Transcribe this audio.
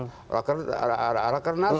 ada arah arah kernas